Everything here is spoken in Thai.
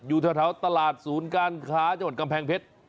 อยู่แถวตลาดศูนย์การค้าจังหวัดกำแพงเพชร